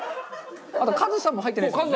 あとカズさんも入ってないですよね？